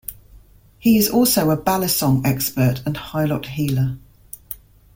He is also a balisong expert and Hilot healer.